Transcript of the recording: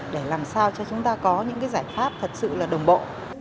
để làm sao cho chúng ta có những cái giải pháp thật sự là đồng bộ